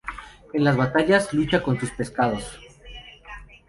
En las batallas lucha con sus pescados.